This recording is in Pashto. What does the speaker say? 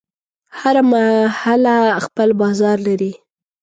هره محله خپل بازار لري.